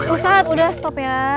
ustadz udah stop ya